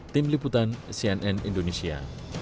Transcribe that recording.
tim liputan cnn indonesia